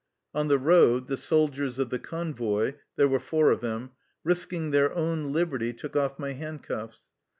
On the road the soldiers of the convoy — there were four of them — risking their own liberty, took off my handcuffs.